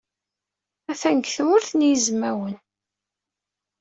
Atan deg Tmurt n Yizwawen.